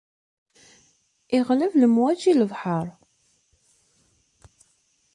Iɣleb lemwaǧi n lebḥer.